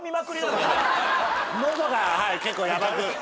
もう。